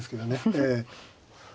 ええ。